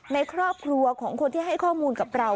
ในครอบครัวของคนที่ให้ข้อมูลกับเรา